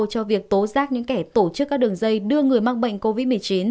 cho việc tố giác những kẻ tổ chức các đường dây đưa người mắc bệnh covid một mươi chín